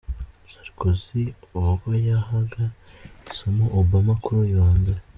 Sarkozy ubwo yahaga isomo Obama kuri uyu wa mbere.